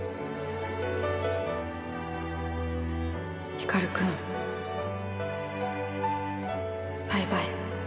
光くんバイバイ。